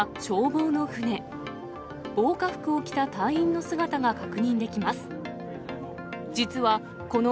防火服を着た隊員の姿が確認できます。